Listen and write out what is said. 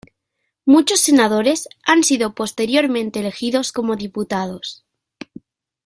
Muchos senadores han sido posteriormente elegidos como diputados.